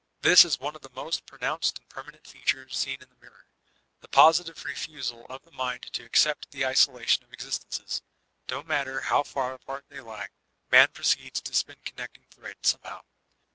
This b one of the most pronounced and permanent features seen in the mirror: the positive refusal of the mind to accept the isolation of existences; no matter how far apart they lie, Man proceeds to spin connecting threads somehow.